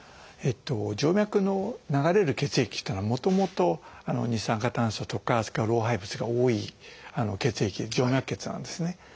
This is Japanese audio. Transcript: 静脈の流れる血液っていうのはもともと二酸化炭素とかそれから老廃物が多い血液静脈血なんですね。